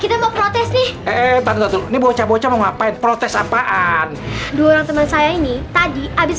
kita mau protes nih eh ini bocah bocah ngapain protes apaan doang teman saya ini tadi habis